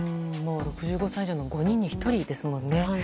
６５歳以上の５人に１人ですもんね。